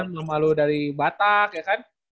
mama lu dari batak ya kan